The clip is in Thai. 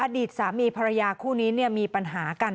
อดีตสามีภรรยาคู่นี้มีปัญหากัน